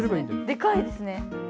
でかいですね。